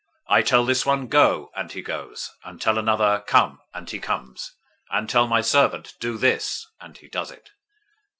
I tell this one, 'Go,' and he goes; and tell another, 'Come,' and he comes; and tell my servant, 'Do this,' and he does it."